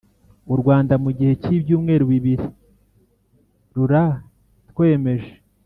u rwanda mu gihe cy’ibyumweru bibiri, rura twemeje